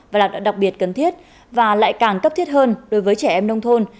và là đặc biệt cần thiết và lại càng cấp thiết hơn đối với trẻ em nông thôn